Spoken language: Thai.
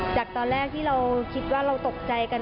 จากตอนแรกที่เราคิดว่าเราตกใจกัน